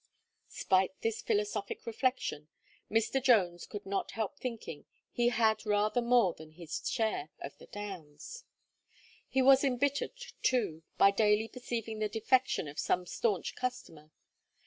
Spite this philosophic reflection, Mr. Jones could not help thinking he had rather more than his share of the downs. He was embittered, too, by daily perceiving the defection of some staunch customer.